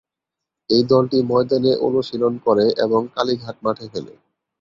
এই দলটি ময়দানে অনুশীলন করে এবং কালীঘাট মাঠে খেলে।